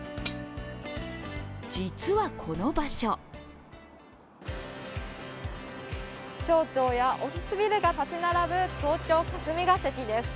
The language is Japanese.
実はこの場所省庁やオフィスビルが立ち並ぶ東京・霞が関です。